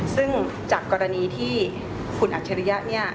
ซึ่งจากกรณีที่คุณอัจฉริยะเนี่ย